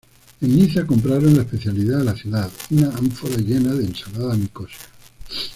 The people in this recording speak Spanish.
En Niza compraron la especialidad de la ciudad: una ánfora llena de ensalada nicosia.